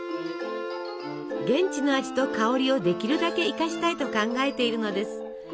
現地の味と香りをできるだけ生かしたいと考えているのです。